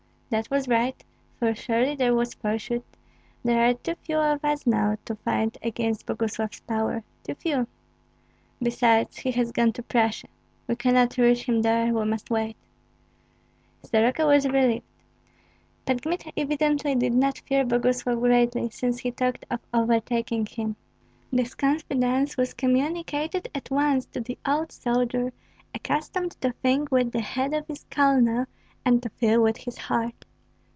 "That was right, for surely there was pursuit. There are too few of us now to fight against Boguslav's power, too few. Besides, he has gone to Prussia; we cannot reach him there, we must wait " Soroka was relieved. Pan Kmita evidently did not fear Boguslav greatly, since he talked of overtaking him. This confidence was communicated at once to the old soldier accustomed to think with the head of his colonel and to feel with his heart.